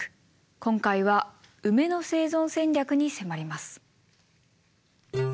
今回はウメの生存戦略に迫ります。